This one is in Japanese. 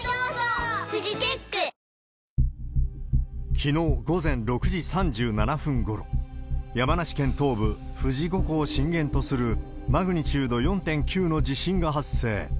きのう午前６時３７分ごろ、山梨県東部、富士五湖を震源とするマグニチュード４．９の地震が発生。